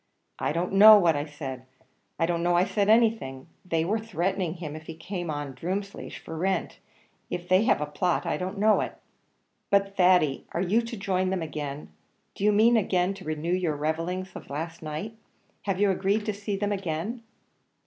"I don't know what I said I don't know I said anything; they were threatening him, if he came on Drumleesh for rent; if they have a plot, I don't know it." "But, Thady, are you to join them again? do you mean again to renew your revellings of last night? have you agreed to see them again?"